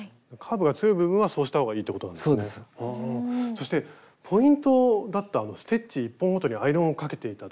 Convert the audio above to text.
そしてポイントだったステッチ１本ごとにアイロンをかけていたところ。